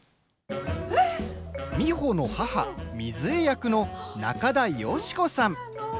美穂の母・みずえ役の中田喜子さん。